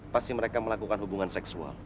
pasti mereka melakukan hubungan seksual